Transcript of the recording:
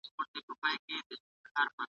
زه اوږده وخت سبزېجات خورم!؟